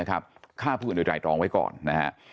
ข้าพูดในไตรทรองไว้ก่อน